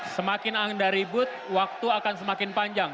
semakin anda ribut waktu akan semakin panjang